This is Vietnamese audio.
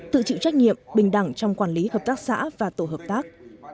tự chịu trách nhiệm bình đẳng trong quản lý hợp tác xã và tổ hợp tác